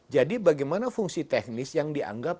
jadi bagaimana fungsi teknis yang dianggap